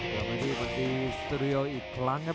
มาดีสตรีโออีกครั้งครับ